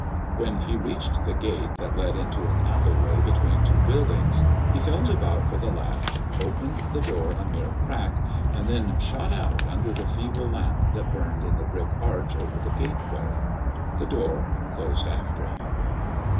When he reached the gate that led into an alley way between two buildings, he felt about for the latch, opened the door a mere crack, and then shot out under the feeble lamp that burned in the brick arch over the gateway. The door closed after him.